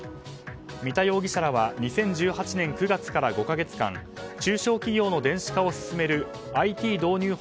三田容疑者らは２０１８年９月から５か月間中小企業の電子化を進めるＩＴ導入